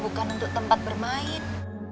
bukan untuk tempat bermain